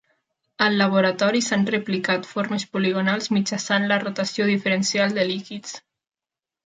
Al laboratori s'han replicat formes poligonals mitjançant la rotació diferencial de líquids.